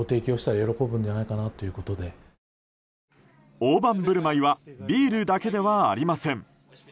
大盤振る舞いはビールだけではありません。